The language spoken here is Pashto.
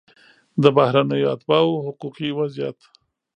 د بهرنیو اتباعو حقوقي وضعیت